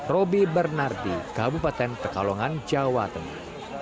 roby bernardi kabupaten pekalongan jawa tengah